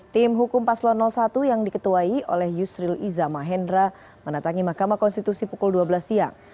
tim hukum paslon satu yang diketuai oleh yusril iza mahendra menatangi mahkamah konstitusi pukul dua belas siang